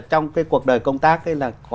trong cái cuộc đời công tác ấy là